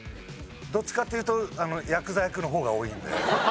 どっちかっていうとヤクザ役の方が多いんで。